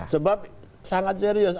sebab sangat serius